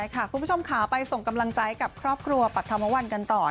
คุณผู้ชมค่ะไปส่งกำลังใจกับครอบครัวปรัฐธรรมวันกันต่อ